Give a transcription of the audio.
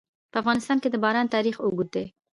په افغانستان کې د باران تاریخ اوږد دی.